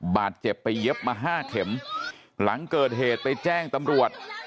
บาดเจ็บไปเย็บมาห้าเข็มหลังเกิดเหตุไปแจ้งตำรวจ